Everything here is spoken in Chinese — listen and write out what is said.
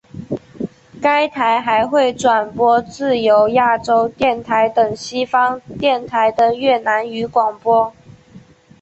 该台还会转播自由亚洲电台等西方电台的越南语广播。